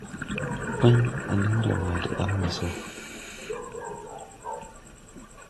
Pũy: À diŋ ree ma de ele mbɛ so.